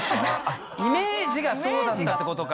イメージがそうだったってことか。